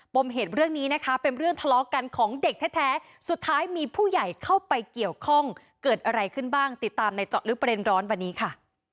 มเหตุเรื่องนี้นะคะเป็นเรื่องทะเลาะกันของเด็กแท้สุดท้ายมีผู้ใหญ่เข้าไปเกี่ยวข้องเกิดอะไรขึ้นบ้างติดตามในเจาะลึกประเด็นร้อนวันนี้ค่ะ